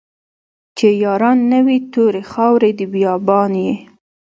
چې ياران نه وي توري خاوري د بيا بان يې